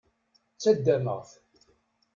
Ttaddameɣ-t.